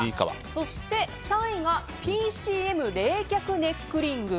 そして、３位がＰＣＭ冷却ネックリング。